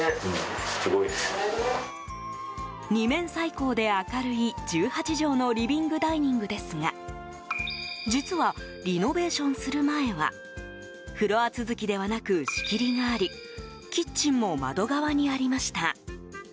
２面採光で明るい１８畳のリビングダイニングですが実は、リノベーションする前はフロア続きではなく仕切りがありキッチンも窓側にありました。